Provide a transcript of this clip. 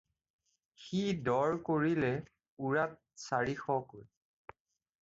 সি দৰ কৰিলে পূৰাত চাৰিশ কৈ।